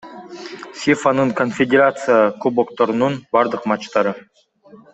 ФИФАнын Конфедерация кубокторунун бардык матчтары